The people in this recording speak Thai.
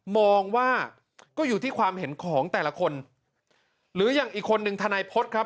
มองว่าก็อยู่ที่ความเห็นของแต่ละคนหรืออย่างอีกคนนึงทนายพฤษครับ